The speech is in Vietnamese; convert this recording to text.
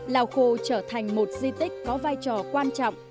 lao khô trở thành một dì tích có vai trò quan trọng